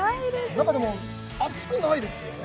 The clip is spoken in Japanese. なんかでも、暑くないですよね。